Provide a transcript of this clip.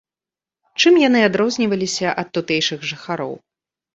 Чым яны адрозніваліся ад тутэйшых жыхароў?